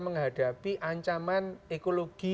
menghadapi ancaman ekologi